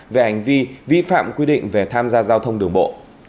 về hành vi vi phạm quy định về tham gia giao thông đường bộ